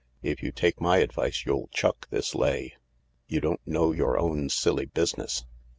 " If you take my advice you'll chuck this lay. You don't know your own silly business.